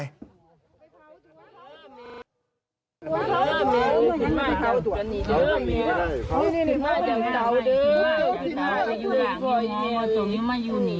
ไม่อยู่หลังนี่ไม่อยู่หนี